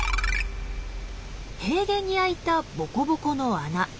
平原に開いたボコボコの穴。